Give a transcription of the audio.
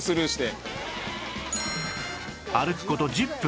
歩く事１０分